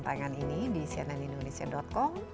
tangan ini di cnnindonesia com